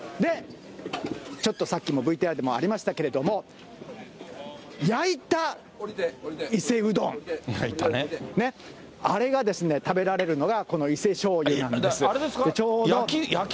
ちょっとさっきもＶＴＲでもありましたけれども、焼いた伊勢うどん、あれがですね、食べられるのが、この伊勢醤油なんです。